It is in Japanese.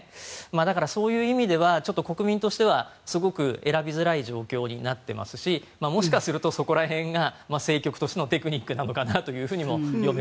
だから、そういう意味では国民としてはすごく選びづらい状況になっていますしもしかするとそこら辺が政局としてのテクニックなのかなとも読めると。